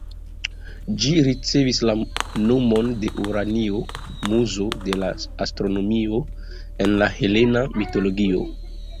Ĝi ricevis la nomon de Uranio, muzo de la astronomio en la helena mitologio.